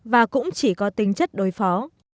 và cũng chỉ có tính chất đối phó